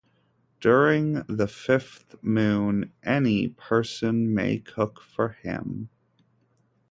During the fifth moon any person may cook for him.